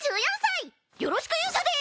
よろしく勇者です！